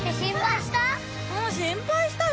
もう心配したよ